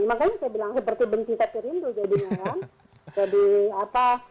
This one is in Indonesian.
makanya saya bilang seperti benci tak terindu jadinya kan